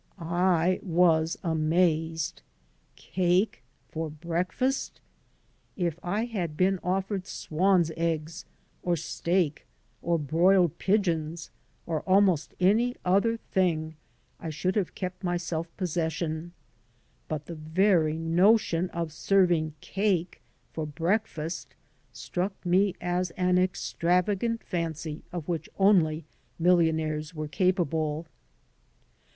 I was amazed. Cake for breakfast! If I had been offered swan's eggs or steak or broiled pigeons, or almost any other thing, I should have kept my self possession. But the very notion of serving cake for breakfast struck me as an extravagant fancy of which only million aires were capable.